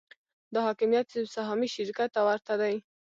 دا حاکمیت یو سهامي شرکت ته ورته دی.